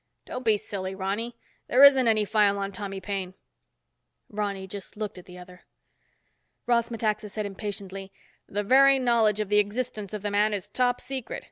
"Don't be silly, Ronny. There isn't any file on Tommy Paine." Ronny just looked at the other. Ross Metaxa said impatiently, "The very knowledge of the existence of the man is top secret.